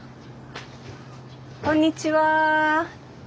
こんにちは。